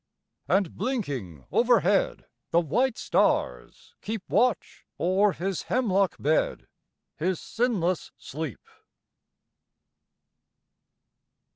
And blinking overhead the white stars keep Watch o'er his hemlock bed his sinless sleep.